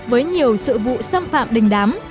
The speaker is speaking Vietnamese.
với nhiều sự vụ xâm phạm đình đám